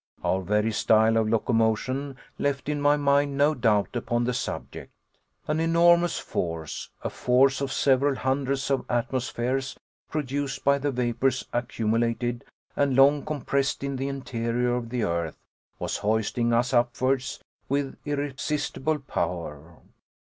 Our very style of locomotion left in my mind no doubt upon the subject. An enormous force, a force of several hundreds of atmospheres produced by the vapors accumulated and long compressed in the interior of the earth, was hoisting us upwards with irresistible power.